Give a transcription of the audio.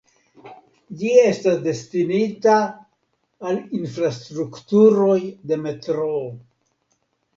Ĝi estas destinita al infrastrukturoj de metroo.